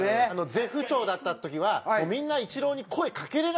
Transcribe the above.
絶不調だった時はみんなイチローに声かけられないんですって。